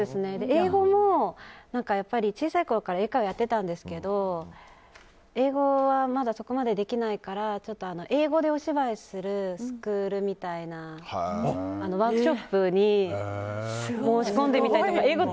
英語も小さいころから英会話をやってたんですけど英語はまだそこまでできないからちょっと英語でお芝居するスクールみたいなワークショップに申し込んでみたりとか英語